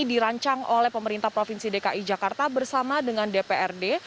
dirancang oleh pemerintah provinsi dki jakarta bersama dengan dprd